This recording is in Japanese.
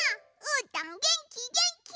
うーたんげんきげんき！